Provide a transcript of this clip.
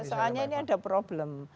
soalnya ini ada problem